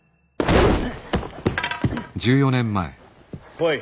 来い。